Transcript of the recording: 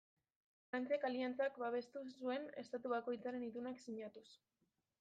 Frantziak aliantza babestu zuen estatu bakoitzaren itunak sinatuz.